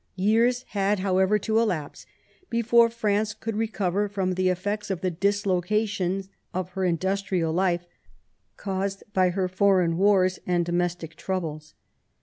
Years had, however, to elapse before France could recover from the effects of the dislocation of her industrial life caused by her foreign wars and domestic troubles.